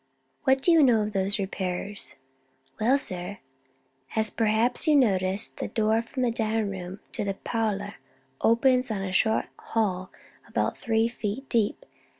"What do you know of those repairs?" "Well, sir, as perhaps you have noticed, the door from the dining room to the parlor opens on a short hall about three feet deep.